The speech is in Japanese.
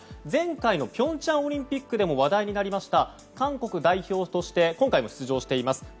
前回の平昌オリンピックでも話題になりました韓国代表として今回も出場しています